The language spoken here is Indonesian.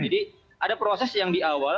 jadi ada proses yang di awal